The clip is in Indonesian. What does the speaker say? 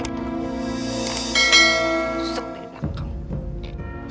nusuk di belakang